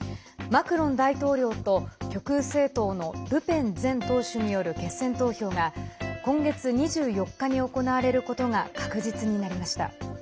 マクロン大統領と極右政党のルペン前党首による決選投票が今月２４日に行われることが確実になりました。